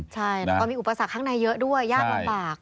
ใช่เพราะมีอุปสรรคข้างในเยอะด้วยยากลำบาก